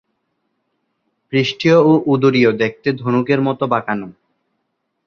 পৃষ্ঠীয় ও উদরীয় দেখতে ধনুকের মত বাঁকানো।